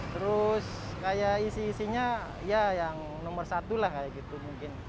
terus kayak isi isinya ya yang nomor satu lah kayak gitu mungkin